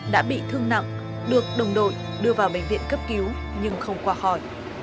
đã bị thương nặng được đồng đội đưa vào bệnh viện cấp cứu nhưng không qua khỏi